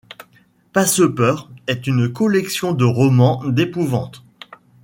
Passepeur est une collection de romans d'épouvante.